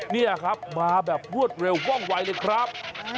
นี่ครับมาแบบรวดเร็วว่องวัยเลยครับ